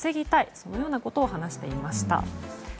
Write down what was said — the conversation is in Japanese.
そのようなことを話していました。